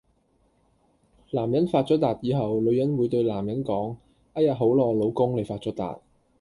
男人發咗達以後，女人會對男人講：哎呀好囉，老公，你發咗達